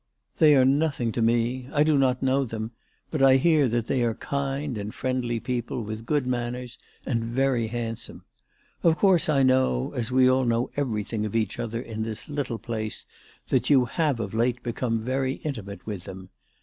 They are nothing to me. I do not know them ; but I hear that they are kind and friendly people, with good manners and very handsome. Of course I know, as we all know every thing of each other in this little place, that you have of late become very intimate with them.